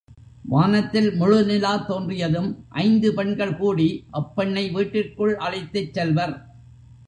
வானத்தில் முழு நிலா தோன்றியதும், ஐந்து பெண்கள் கூடி அப்பெண்ணை வீட்டிற்குள் அழைத்துச் செல்வர்.